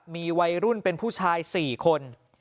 มีวัยรุ่นเป็นผู้ชาย๔คน